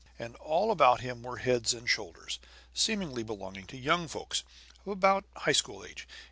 And all about him were heads and shoulders, seemingly belonging to young folks, of about high school age.